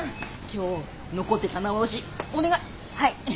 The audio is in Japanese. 今日残って棚卸しお願い！